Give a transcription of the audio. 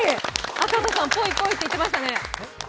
赤楚さん、ぽい、ぽいって言ってましたね。